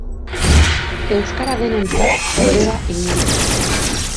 Euskara denontzat erdera inontzat